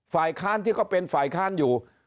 ฝ่ายค้านที่ก็เป็นฝ่ายค้านอยู่